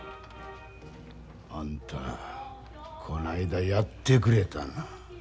あんたこないだやってくれたな。